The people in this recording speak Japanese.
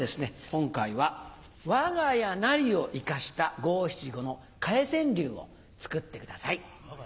今回は「我が家なり」を生かした五・七・五の替え川柳を作ってください。